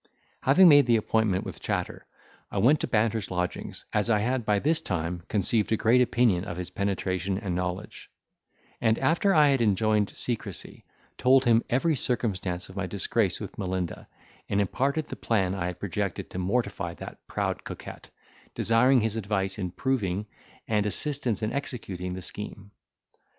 Having made the appointment with Chatter I went to Banter's lodgings, as I had by this time conceived a great opinion of his penetration and knowledge; and, after I had enjoined secrecy, told him every circumstance of my disgrace with Melinda, and imparted the plan I had projected to mortify that proud coquette, desiring his advice in proving, and assistance in executing the scheme.